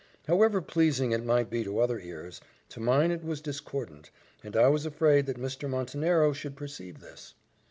However pleasing it might be to other ears, to mine it was discordant; and I was afraid that Mr. Montenero should perceive this.